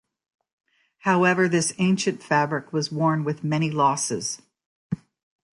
However this ancient fabric was worn with many losses.